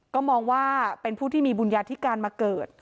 ก็มองว่าเป็นผู้ที่มีบุญญาธิการมาเกิด